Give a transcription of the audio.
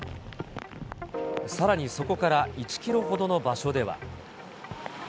さらにそこから１キロほどの場所では。